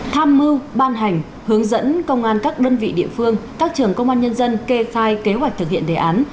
tham mưu ban hành hướng dẫn công an các đơn vị địa phương các trường công an nhân dân kê khai kế hoạch thực hiện đề án